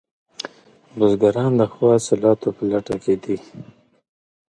بزګران د ښو حاصلاتو په لټه کې دي.